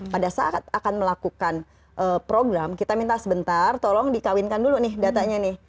pada saat akan melakukan program kita minta sebentar tolong dikawinkan dulu nih datanya nih